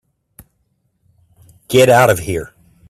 Get out of here.